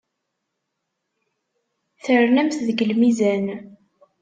Ternamt deg lmizan.